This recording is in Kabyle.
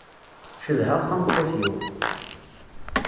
Cedheɣ tameṭṭut-iw.